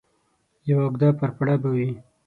یوه اوږده پړپړه به وي.